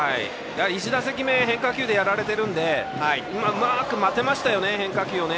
１打席目変化球でやられてるのでうまく待てましたよね、変化球を。